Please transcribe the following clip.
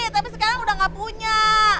tapi sekarang udah gak punya